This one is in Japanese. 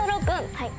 はい。